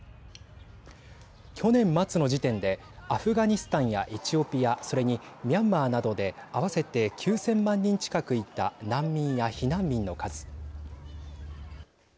去年末の時点でアフガニスタンやエチオピアそれにミャンマーなどで合わせて９０００万人近くいた難民や避難民の数。